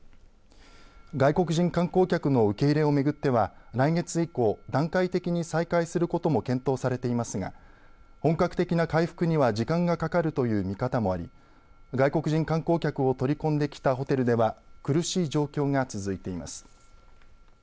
外国人観光客の受け入れをめぐっては来月以降段階的に再開することも検討されていますが本格的な回復には時間がかかるという見方もあり外国人観光客を取り込んできたホテルでは苦しい状況が続いています。